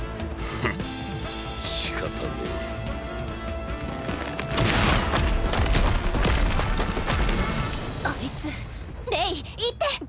フン仕方ねえあいつレイ行って！